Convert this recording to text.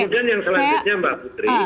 kemudian yang selanjutnya mbak putri